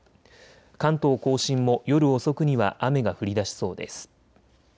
関東甲信も夜遅くには雨が降りだしそうです。